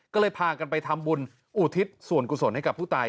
ก็เลยพากันไปทำบุญอุทิศส่วนกุศลให้กับผู้ตาย